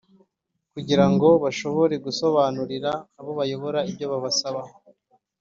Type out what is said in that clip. kugira ngo bashobore gusobanurira abo bayobora ibyo babasaba